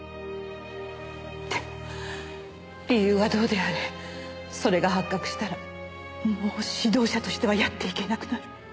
でも理由はどうであれそれが発覚したらもう指導者としてはやっていけなくなる。